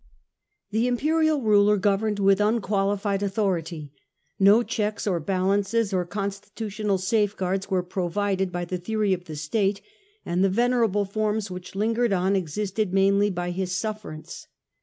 The imperial ruler governed with unqualified authority. No checks or balances or constitutional safeguards were The im provided by the theory of the state, and the periai ruler venerable forms which lingered on existed absolute mainly by his sufferance.